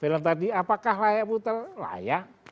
beliau tadi apakah layak puter layak